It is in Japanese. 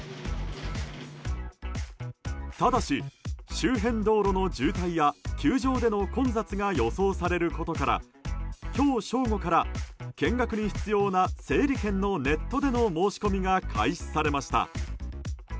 ただし、周辺道路の渋滞や球場での混雑が予想されることから今日正午から見学に必要な整理券のネットでの申し込みが開始されました。